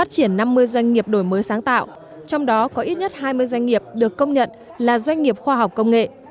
doanh nghiệp đổi mới sáng tạo trong đó có ít nhất hai mươi doanh nghiệp được công nhận là doanh nghiệp khoa học công nghệ